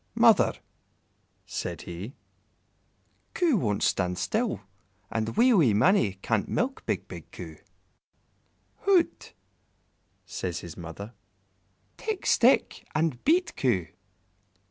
"Mother," said he, "Coo won't stand still, and wee, wee Mannie can't milk big, big Coo." "Hout!" says his mother, "take stick and beat Coo."